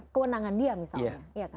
kewenangan dia misalnya